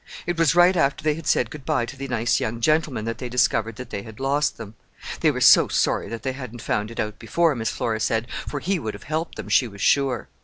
It was right after they had said good bye to the nice young gentleman that they discovered that they had lost them. They were so sorry that they hadn't found it out before, Miss Flora said, for he would have helped them, she was sure.